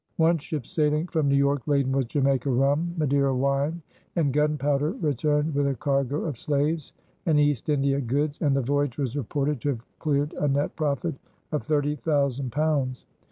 One ship sailing from New York laden with Jamaica rum, Madeira wine, and gunpowder returned with a cargo of slaves and East India goods, and the voyage was reported to have cleared a net profit of thirty thousand pounds.